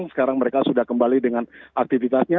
sekarang mereka sudah kembali dengan aktivitasnya